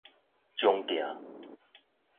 藏鏡